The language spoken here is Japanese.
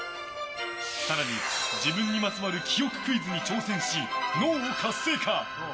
更に、自分にまつわる記憶クイズに挑戦し、脳を活性化。